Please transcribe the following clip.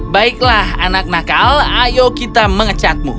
baiklah anak nakal ayo kita mengecatmu